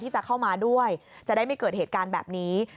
ที่จะเข้ามาด้วยจะได้ไม่เกิดเหตุการณ์แบบนี้